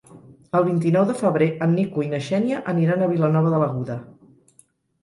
El vint-i-nou de febrer en Nico i na Xènia aniran a Vilanova de l'Aguda.